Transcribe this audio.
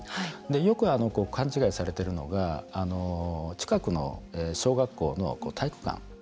よく勘違いされているのが近くの小学校の体育館。